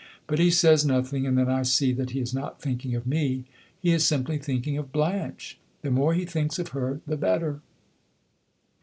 But he says nothing, and then I see that he is not thinking of me he is simply thinking of Blanche. The more he thinks of her the better."